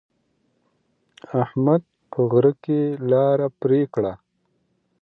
احمد په غره کې لاره پرې کړه.